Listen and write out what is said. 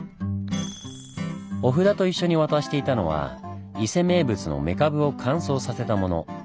お札と一緒に渡していたのは伊勢名物のメカブを乾燥させたもの。